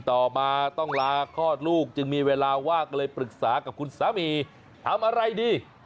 ต่อมาต้องลาคลอดลูกจึงมีเวลาว่างก็เลยปรึกษากับคุณสามีทำอะไรดี